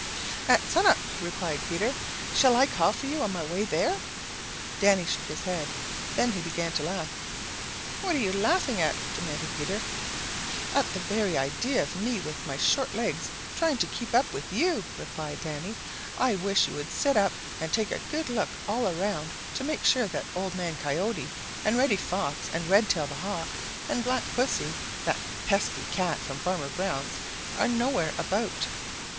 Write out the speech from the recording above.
"At sun up," replied Peter. "Shall I call for you on my way there?" Danny shook his head. Then he began to laugh. "What are you laughing at?" demanded Peter. "At the very idea of me with my short legs trying to keep up with you," replied Danny. "I wish you would sit up and take a good look all around to make sure that Old Man Coyote and Reddy Fox and Redtail the Hawk and Black Pussy, that pesky Cat from Farmer Brown's, are nowhere about."